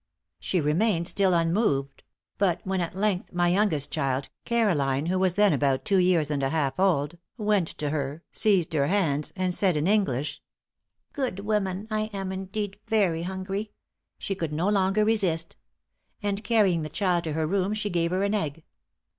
She remained still unmoved; but when at length my youngest child, Caroline, who was then about two years and a half old, went to her, seized her hands, and said in English: 'Good woman, I am indeed very hungry,' she could no longer resist; and carrying the child to her room, she gave her an egg.